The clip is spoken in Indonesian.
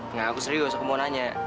enggak aku serius aku mau nanya